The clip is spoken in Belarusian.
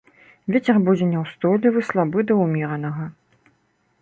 Вецер будзе няўстойлівы слабы да ўмеранага.